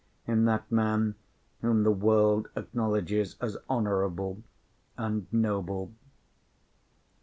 in that man whom the world acknowledges as honourable and noble.